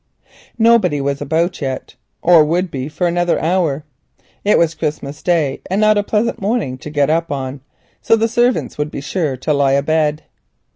Nobody was about yet, or would be for another hour. It was Christmas Day, and not a pleasant morning to get up on, so the servants would be sure to lie a bed.